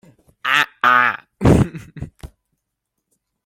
Na cawl tuk ahcun ihkhun in na tla te lai.